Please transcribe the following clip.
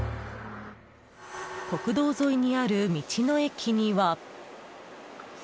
国道沿いにある道の駅には。